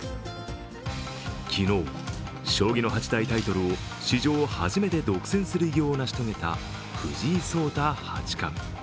昨日、将棋の八大タイトルを史上初めて独占する偉業を成し遂げた藤井聡太八冠。